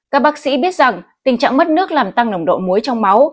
các bác sĩ biết rằng tình trạng mất nước làm tăng nồng độ muối trong máu